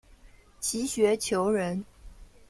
齐学裘人。